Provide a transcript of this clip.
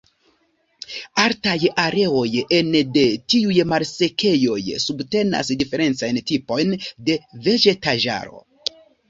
Altaj areoj ene de tiuj malsekejoj subtenas diferencajn tipojn de vegetaĵaro.